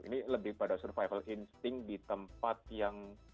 ini lebih pada survival instinct di tempat yang